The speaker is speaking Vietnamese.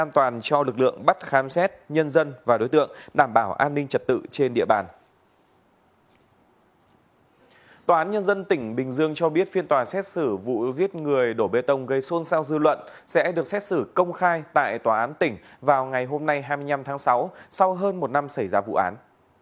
tòa án nhân dân tỉnh bình dương cho biết phiên tòa xét xử vụ giết người đổ bê tông gây xôn xao dư luận sẽ được xét xử công khai tại tòa án tỉnh vào ngày hôm nay hai mươi năm tháng sáu sau hơn một năm xảy ra vụ án